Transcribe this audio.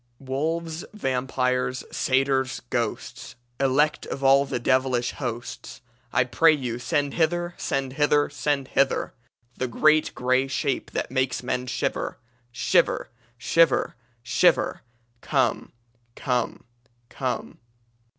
"Wolves, vampires, satyrs, ghosts! Elect of all the devilish hosts! I pray you send hither, Send hither, send hither, The great grey shape that makes men shiver! Shiver, shiver, shiver! Come! Come! Come!"